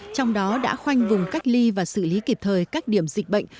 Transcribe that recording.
trong đó đã khoanh vùng cách ly và xử lý kịp thời các điểm dịch bệnh